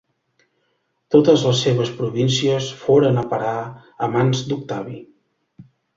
Totes les seves províncies foren a parar a mans d'Octavi.